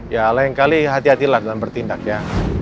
ya lain kali hati hatilah dalam bertindaknya